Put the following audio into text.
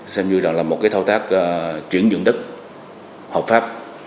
xem như là một thao tác chuyển dưỡng đất hợp pháp